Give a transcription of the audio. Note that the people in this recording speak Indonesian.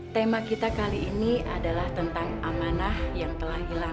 tema kita kali ini adalah tentang amanah yang telah hilang